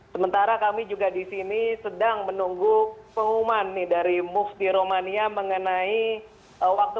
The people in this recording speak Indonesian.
sementara kami juga di sini sedang menunggu pengumuman dari mufti romania mengenai waktu